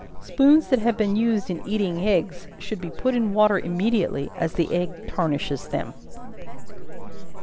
Spoons that have been used in eating eggs should be put in water immediately, as the egg tarnishes them.